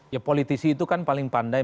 ya politisi itu kan paling pandai